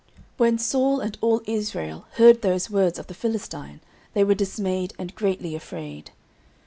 09:017:011 When Saul and all Israel heard those words of the Philistine, they were dismayed, and greatly afraid.